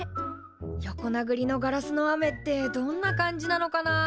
横なぐりのガラスの雨ってどんな感じなのかなあ。